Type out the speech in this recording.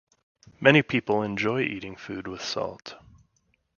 Many people enjoy eating food with salt